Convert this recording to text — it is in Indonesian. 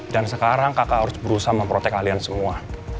dan sekarang kakak harus berusaha memprotek kalian semua